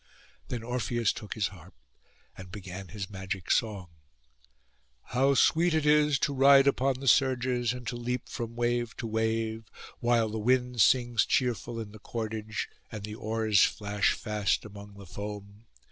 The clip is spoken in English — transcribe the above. Then Orpheus took his harp, and began his magic song—'How sweet it is to ride upon the surges, and to leap from wave to wave, while the wind sings cheerful in the cordage, and the oars flash fast among the foam!